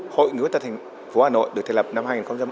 hội nguyên tập thành phố hà nội được thiết lập năm hai nghìn